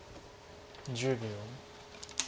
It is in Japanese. １０秒。